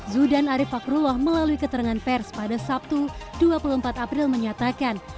zudan arief fakrullah melalui keterangan pers pada sabtu dua puluh empat april menyatakan